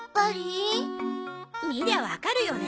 見りゃあわかるよね。